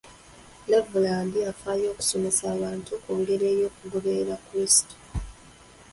Levulandi afaayo okusomesa abantu ku ngeri y'okugoberera krisitu.